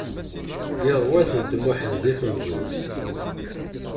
Yerwa-tent Muḥend di temẓi-s.